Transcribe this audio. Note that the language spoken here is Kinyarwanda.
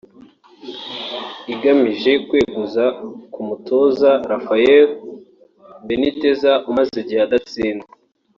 igamije kweguza ku umutoza Rafael Benitez umaze igihe adatsinda